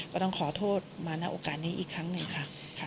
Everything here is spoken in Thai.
ก็ต้องขอโทษมาณโอกาสนี้อีกครั้งหนึ่งค่ะ